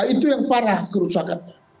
itu yang parah kerusakan